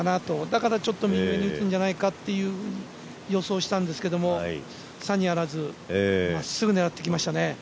だから右目にいくんじゃないかと予想したんですがさにあらずまっすぐ狙ってきましたね。